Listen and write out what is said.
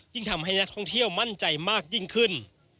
ทำให้นักท่องเที่ยวมั่นใจมากยิ่งขึ้น